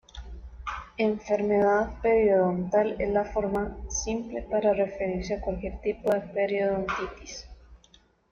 Enfermedad periodontal es la forma simple para referirse a cualquier tipo de periodontitis.